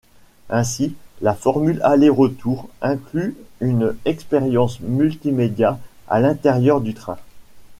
Ainsi, la formule aller-retour inclut une expérience multimédia à l'intérieur du train.